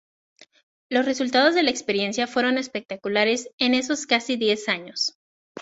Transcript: Los resultados de la experiencia fueron espectaculares en esos casi diez años.